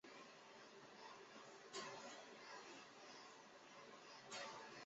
仅由被感染的雌性宿主把沃尔巴克氏体传播给后代。